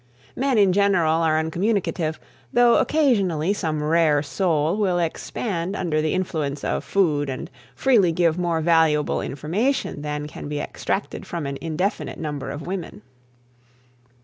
Men in general are uncommunicative, though occasionally some rare soul will expand under the influence of food and freely give more valuable information than can be extracted from an indefinite number of women.